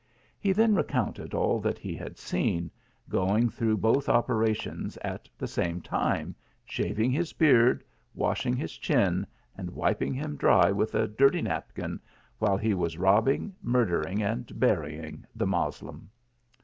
He then recounted all that he had seen, going through both operations at the same time, shaving his beard, washing his chin, and wiping him dry with a dirty napkin, while he was robbing, murdering, and bury ing the Moslem.